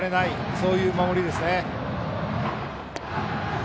そういう守りですね。